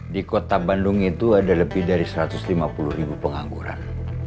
di kota bandung itu ada lebih dari satu ratus lima puluh ribu pengangguran